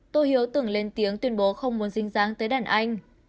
tổ hiếu từng lên tiếng tuyên bố không muốn dinh dáng tới đàn anh